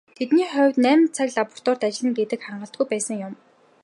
Тэдний хувьд найман цаг лабораторид ажиллана гэдэг хангалтгүй байсан юм.